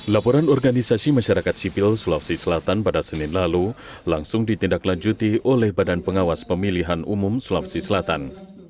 laporan organisasi masyarakat sipil sulawesi selatan pada senin lalu langsung ditindaklanjuti oleh badan pengawas pemilihan umum sulawesi selatan